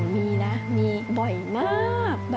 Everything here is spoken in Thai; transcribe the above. มีนะมีบ่อยมาก